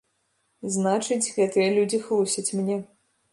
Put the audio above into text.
Значыць, гэтыя людзі хлусяць мне.